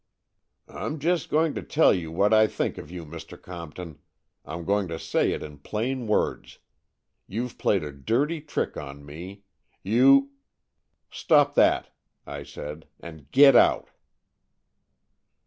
" I'm just going to tell you what I think of you, Mr. Compton. I'm going to say it in plain words. You've played a dirty trick on me. You "" Stop that," I said, '' and get out